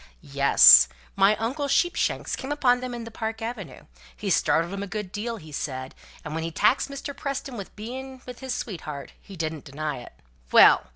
"Yes. My uncle Sheepshanks came upon them in the Park Avenue, he startled 'em a good deal, he said; and when he taxed Mr. Preston with being with his sweetheart, he didn't deny it." "Well!